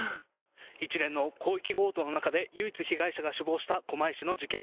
一連の広域強盗の中で唯一被害者が死亡した狛江市の事件。